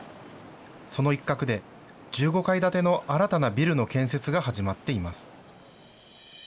その一画で１５階建ての新たなビルの建設が始まっています。